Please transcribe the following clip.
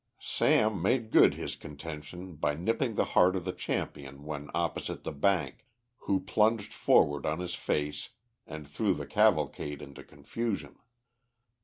Sam made good his contention by nipping the heart of the champion when opposite the bank, who plunged forward on his face and threw the cavalcade into confusion.